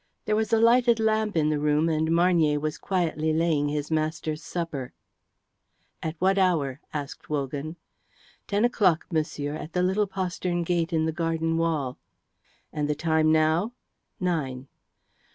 There was a lighted lamp in the room, and Marnier was quietly laying his master's supper. "At what hour?" asked Wogan. "Ten o'clock, monsieur, at the little postern in the garden wall." "And the time now?" "Nine."